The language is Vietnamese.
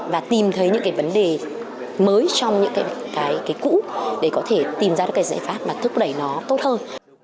và tìm thấy những cái vấn đề mới trong những cái cũ để có thể tìm ra được cái giải pháp mà thức đẩy nó tốt hơn